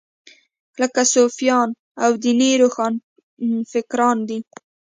لکه صوفیان او دیني روښانفکران دي.